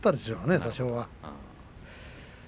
多少はね。